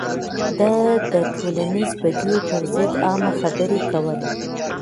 ده د ټولنيزو بديو پر ضد عامه خبرې کولې.